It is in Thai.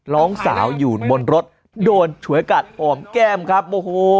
น้องสาวอยู่บนรถโดนฉวยกัดอ่อมแก้มครับโอ้โห